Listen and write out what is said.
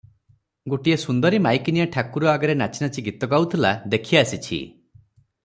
ଗୋଟିଏ ସୁନ୍ଦରୀ ମାଇକିନିଆ ଠାକୁର ଆଗରେ ନାଚି ନାଚି ଗୀତ ଗାଉଥିଲା, ଦେଖି ଆସିଛି ।